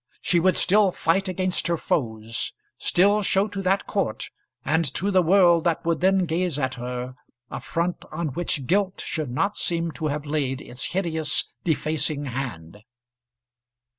She would still fight against her foes, still show to that court, and to the world that would then gaze at her, a front on which guilt should not seem to have laid its hideous, defacing hand.